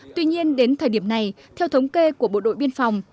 tuy nhiên đến thời điểm này theo thống kê của bộ đội biên phòng